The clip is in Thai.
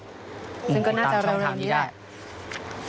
ซึ่งก็น่าจะเร็วนี้แหละ